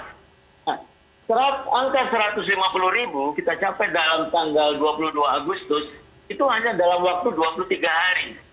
nah angka satu ratus lima puluh ribu kita capai dalam tanggal dua puluh dua agustus itu hanya dalam waktu dua puluh tiga hari